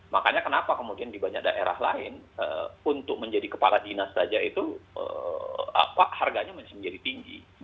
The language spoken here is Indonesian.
makanya kenapa kemudian di banyak daerah lain untuk menjadi kepala dinas saja itu harganya masih menjadi tinggi